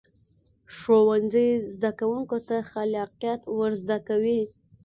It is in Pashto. ښوونځی زده کوونکو ته خلاقیت ورزده کوي